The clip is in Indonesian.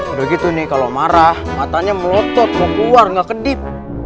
udah gitu nih kalau marah matanya melotot mau keluar nggak kedip